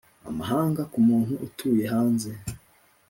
amahanga ku muntu utuye hanze